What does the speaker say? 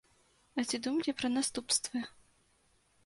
А ці думалі пра наступствы?